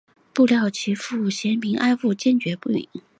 不料其父嫌贫爱富坚决不允。